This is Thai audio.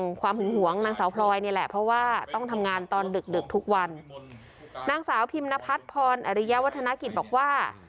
ความหึงหวงนางสาวพลอยนี่แหละเพราะว่าต้องทำงานตอนดึกดึกทุกวันนางสาวพิมนพัฒน์พรอริยาวัฒนกิจบอกว่า